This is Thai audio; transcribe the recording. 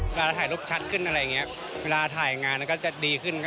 เวลาเราถ่ายรูปชัดขึ้นอะไรอย่างนี้เวลาถ่ายงานก็จะดีขึ้น